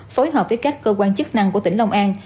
phối hợp với các cơ quan chức năng của tỉnh long an